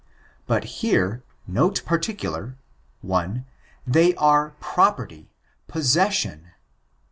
But, here, note particular: 1. They aro property^ '* possession."